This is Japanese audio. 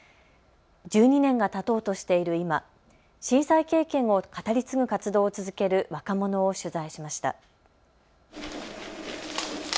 １２年がたとうとしている今、震災経験を語り継ぐ活動を続ける若者を取材しました。